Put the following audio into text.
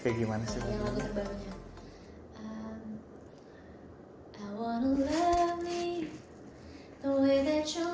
dateng ke luar kayaknya aku bakal nonton